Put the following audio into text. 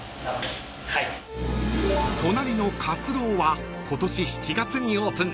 ［隣の活郎は今年７月にオープン］